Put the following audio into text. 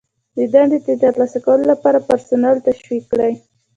د دندې د ترسره کولو لپاره پرسونل تشویق کړئ.